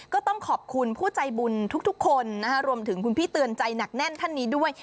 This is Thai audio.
ก็ต้องขอบคุณผู้ใจบุญทุกคนรวมถึงคุณพี่เตือนใจหนักแน่นท่านนี้ด้วย